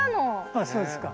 ああそうですか。